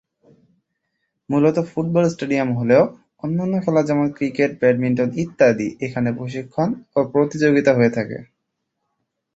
মূলত football stadium হলেও অন্যান্য খেলা যেমন ক্রিকেট ব্যাডমিন্টন ইত্যাদি এখানে প্রশিক্ষণ ও প্রতিযোগিতা হয়ে থাকে।